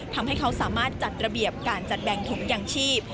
ทำให้เขาสามารถจัดระเบียบการจัดแบ่งถุงยางชีพ